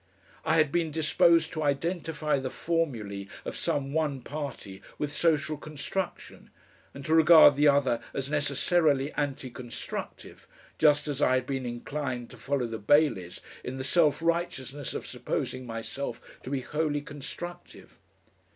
I had been disposed to identify the formulae of some one party with social construction, and to regard the other as necessarily anti constructive, just as I had been inclined to follow the Baileys in the self righteousness of supposing myself to be wholly constructive.